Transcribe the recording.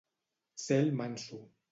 Ser el manso.